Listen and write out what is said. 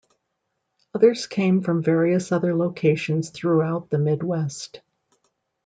Others came from various other locations throughout the Midwest.